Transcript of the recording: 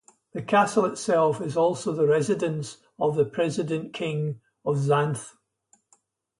The castle itself is also the residence of the present King of Xanth.